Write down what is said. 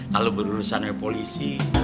kalau berurusan polisi